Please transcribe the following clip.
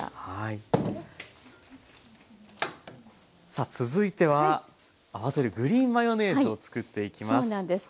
さあ続いてはあわせるグリーンマヨネーズを作っていきます。